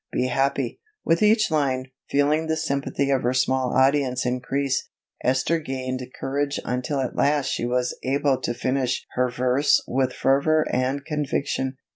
Be happy." With each line, feeling the sympathy of her small audience increase, Esther gained courage until at last she was able to finish her verse with fervor and conviction.